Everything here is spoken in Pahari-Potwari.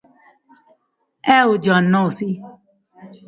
ایہہ او جاننا ہوسی